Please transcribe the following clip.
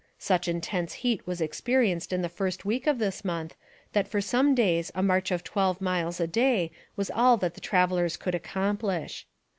Such intense heat was experienced in the first week of this month that for some days a march of twelve miles a day was all that the travellers could accomplish.